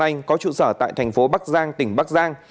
phan huy văn có trụ sở tại thành phố bắc giang tỉnh bắc giang